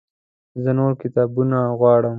زه نور کتابونه غواړم